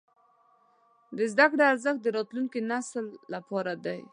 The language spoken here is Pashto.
د زده کړې ارزښت د راتلونکي نسل لپاره دی.